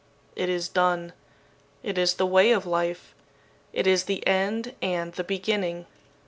It is done. It is the way of life. It is the end and the beginning.